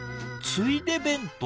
「“ついで”弁当」？